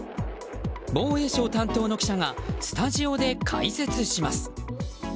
防衛省担当の記者がスタジオで解説します。